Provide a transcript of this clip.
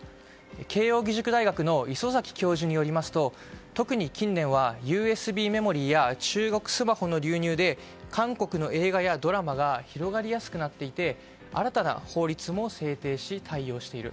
慶應義塾大学の礒崎教授によりますと特に近年はＵＳＢメモリーや中国スマホの流入で韓国の映画やドラマが広がりやすくなっていて新たな法律も制定し対応している。